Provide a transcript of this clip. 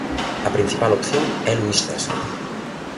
A principal opción é Luís César.